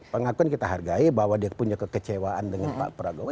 pengakuan kita hargai bahwa dia punya kekecewaan dengan pak prabowo